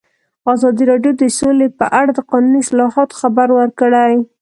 ازادي راډیو د سوله په اړه د قانوني اصلاحاتو خبر ورکړی.